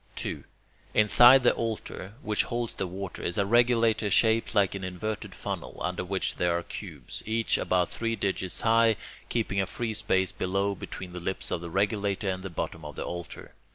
2. Inside the altar, which holds the water, is a regulator shaped like an inverted funnel, under which there are cubes, each about three digits high, keeping a free space below between the lips of the regulator and the bottom of the altar.